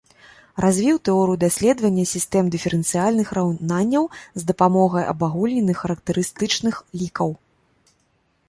Развіў тэорыю даследавання сістэм дыферэнцыяльных раўнанняў з дапамогай абагульненых характарыстычных лікаў.